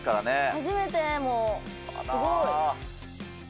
初めて、もう、すごい。